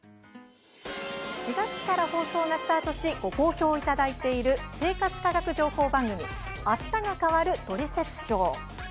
４月から放送がスタートしご好評いただいている生活科学情報番組「あしたが変わるトリセツショー」。